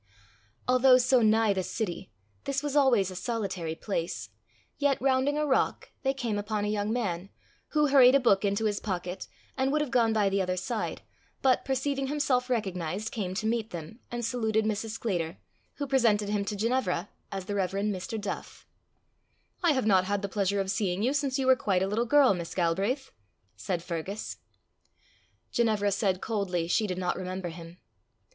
Although so nigh the city, this was always a solitary place, yet, rounding a rock, they came upon a young man, who hurried a book into his pocket, and would have gone by the other side, but perceiving himself recognized, came to meet them, and saluted Mrs. Sclater, who presented him to Ginevra as the Rev. Mr. Duff. "I have not had the pleasure of seeing you since you were quite a little girl, Miss Galbraith," said Fergus. Ginevra said coldly she did not remember him.